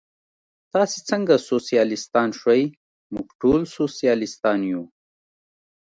تاسې څنګه سوسیالیستان شوئ؟ موږ ټول سوسیالیستان یو.